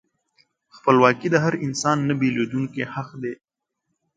خپلواکي د هر انسان نهبیلېدونکی حق دی.